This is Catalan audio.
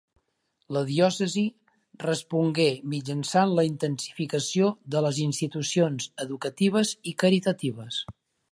La diòcesi respongué mitjançant la intensificació de les institucions educatives i caritatives.